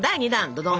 ドドン！